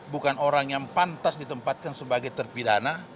bukan orang yang pantas ditempatkan sebagai terpidana